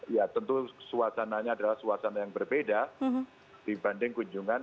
ya tentu suasananya adalah suasana yang berbeda dibanding kunjungan